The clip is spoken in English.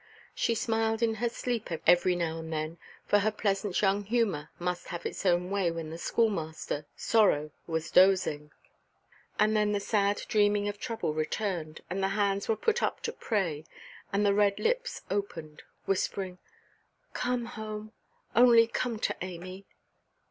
She smiled in her sleep every now and then, for her pleasant young humour must have its own way when the schoolmaster, sorrow, was dozing; and then the sad dreaming of trouble returned, and the hands were put up to pray, and the red lips opened, whispering, "Come home! Only come to Amy!"